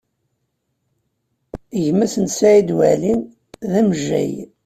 Gma-s n Saɛid Waɛli, d amejjay.